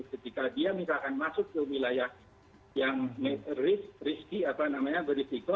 ketika dia misalkan masuk ke wilayah yang berisiko